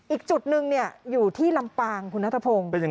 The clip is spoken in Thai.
อีกจุดหนึ่งอยู่ที่ลำปางคุณนัทพงศ์